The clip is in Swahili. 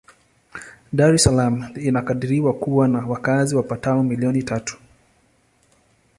Dar es Salaam inakadiriwa kuwa na wakazi wapatao milioni tatu.